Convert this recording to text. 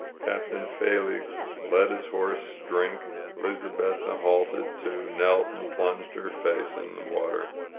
Captain Felix let his horse drink. EMzabetta halted, too, knelt and plunged her face into the water.